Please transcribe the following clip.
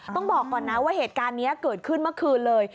ต้องบอกก่อนนะว่าเหตุการณ์นี้เกิดขึ้นเมื่อคืนเลย